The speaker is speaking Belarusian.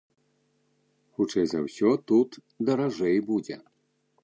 Хутчэй за ўсё, тут даражэй будзе.